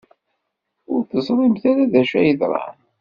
Ur teẓrimt ara d acu ay yeḍran.